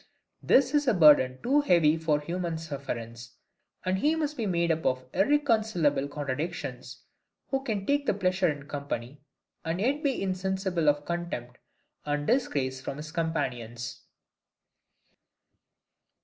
This is a burden too heavy for human sufferance: and he must be made up of irreconcileable contradictions, who can take pleasure in company, and yet be insensible of contempt and disgrace from his companions.